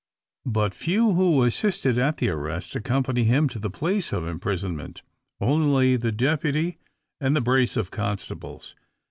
But few, who assisted at the arrest, accompany him to the place of imprisonment; only the Deputy, and the brace of constables.